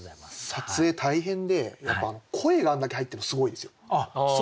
撮影大変でやっぱ声があんだけ入ってるのすごいですよ。